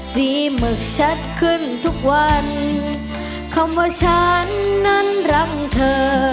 ฝีมือชัดขึ้นทุกวันคำว่าฉันนั้นรำเธอ